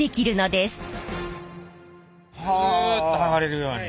すっとはがれるように。